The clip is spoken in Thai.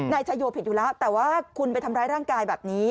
นายชายโยผิดอยู่แล้วแต่ว่าคุณไปทำร้ายร่างกายแบบนี้